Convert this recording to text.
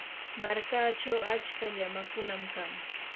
markachaw achka llamakunam kan.